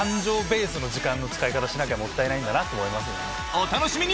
お楽しみに！